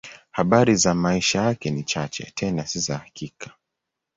Habari za maisha yake ni chache, tena si za hakika.